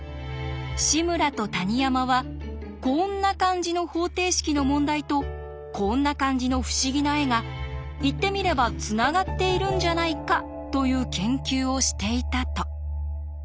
志村と谷山はこんな感じの方程式の問題とこんな感じの不思議な絵が言ってみればつながっているんじゃないかという研究をしていたと。